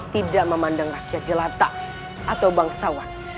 tidak memandang rakyat jelata atau bangsawan